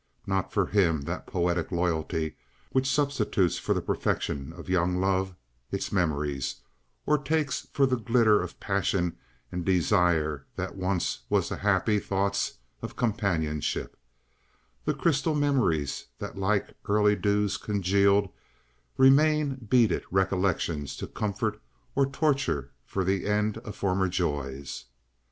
Not for him that poetic loyalty which substitutes for the perfection of young love its memories, or takes for the glitter of passion and desire that once was the happy thoughts of companionship—the crystal memories that like early dews congealed remain beaded recollections to comfort or torture for the end of former joys.